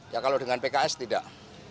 ya kalau dengan pks tidak